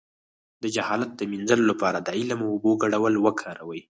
د جهالت د مینځلو لپاره د علم او اوبو ګډول وکاروئ